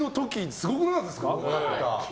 すごくなかったですか？